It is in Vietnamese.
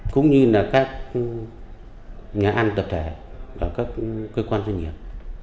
cũng như là các nhà ăn tập thể ở các cơ quan doanh nghiệp